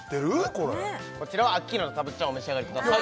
これこちらはアッキーナとたぶっちゃんお召し上がりください